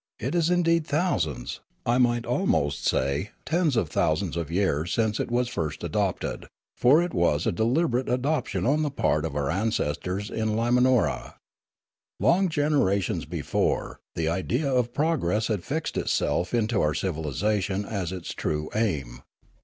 It is indeed thousands, I might almost say, tens of thousands of years since it was first adopted ; for it was a deliberate adoption on the part of our an cestors in Limanora. Long generations before, the idea of progress had fixed itself into our civilisation as its true aim.